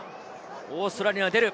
オーストラリア出る。